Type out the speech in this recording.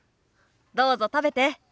どうぞ食べて。